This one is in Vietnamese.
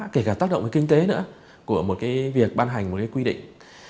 kể cả tác động kinh tế nữa của một việc ban hành một quy định